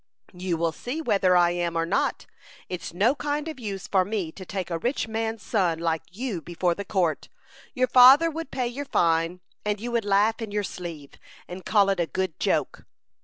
"You will see whether I am or not. It's no kind of use for me to take a rich man's son like you before the court. Your father would pay your fine, and you would laugh in your sleeve, and call it a good joke."